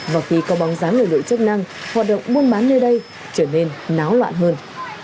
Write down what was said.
và khi có bóng dáng người lưỡi chất năng hoạt động buôn bán nơi đây trở nên náo loạn hơn